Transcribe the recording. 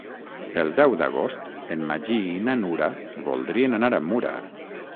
El deu d'agost en Magí i na Nura voldrien anar a Mura.